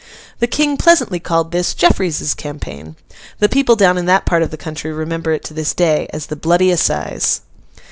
The King pleasantly called this 'Jeffreys's campaign.' The people down in that part of the country remember it to this day as The Bloody Assize.